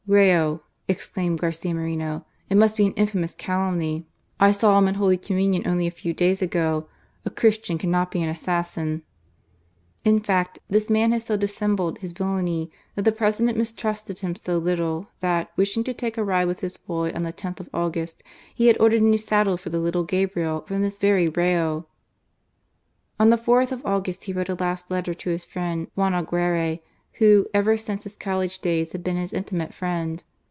" Rayo !" exclaimed Garcia Moreno, " it must he an infamous calumny. I saw him at Holy Communion only a few days ago ; a Christian cannot be an assassin." In fact, this man bad so THE ASSASSINATION. 297 dissembled his villainy, and the President mistrusted him so little, that, wishing to take a ride with his boy on the loth of August, he had ordered a new saddle for the little Gabriel from this very Rayo ! On the 4th of August he wrote a last letter to his friend, Juan Aguirre, who, ever since his college days, had been his intimate friend.